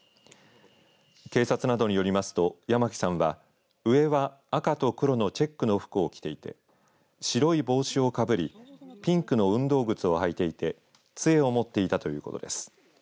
警察などによりますと八巻さんは上は赤と黒のチェックの服を着ていて白い帽子をかぶりピンクの運動靴を履いていてつえを持っていたということです。